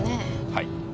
はい。